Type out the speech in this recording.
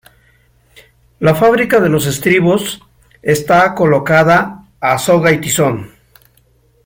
La fábrica de los estribos, está colocada a "soga y tizón".